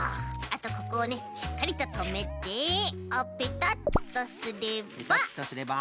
あとここをねしっかりととめてあっペタッとすれば。